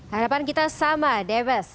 harapan kita sama dewes